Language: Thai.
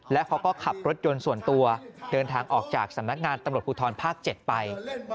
แล้วเขาก็ขับรถยนต์ส่วนตัวเดินทางออกจากสำนักงานตำรวจภูทรภาค๗ไป